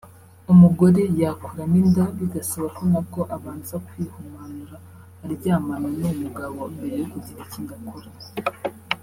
umugore yakuramo inda bigasaba ko nabwo abanza “kwihumanura” aryamana n’uwo mugabo mbere yo kugira ikindi akora